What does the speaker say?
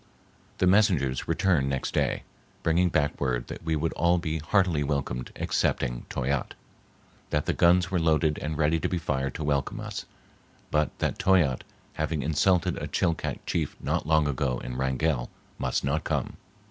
The messengers returned next day, bringing back word that we would all be heartily welcomed excepting Toyatte; that the guns were loaded and ready to be fired to welcome us, but that Toyatte, having insulted a Chilcat chief not long ago in Wrangell, must not come.